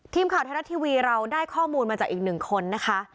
ทีมข่าวไทยรัฐทีวีเราได้ข้อมูลมาจากอีกหนึ่งคนนะคะ